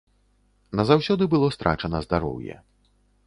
Назаўсёды было страчана здароўе.